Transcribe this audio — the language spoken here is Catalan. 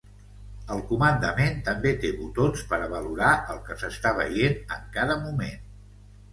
El comandament també té botons per a valorar el que s'està veient en cada moment.